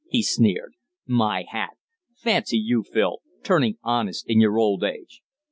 he sneered. "My hat! Fancy you, Phil, turning honest in your old age!"